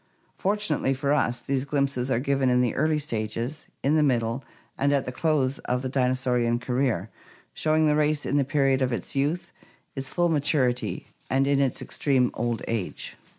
Fortunately for us these glimpses are given in the early stages, in the middle, and at the close of the dinosaurian career, showing the race in the period of its youth, its full maturity, and in its extreme old age.